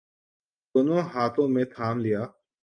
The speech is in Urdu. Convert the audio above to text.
دونوں ہاتھوں میں تھام لیا۔